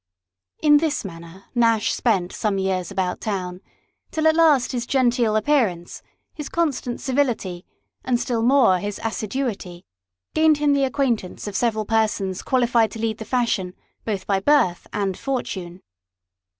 In this manner Nash spent some years about town, till at last his genteel appearance, his constant civility, and still more, his assidiiity, gained him the acquaintance of several persons qualified to lead the fashion both by birth and fortune.